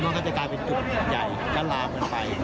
หรือว่าก็จะกลายเป็นกรุ่นใหญ่ก็ล้ามันไป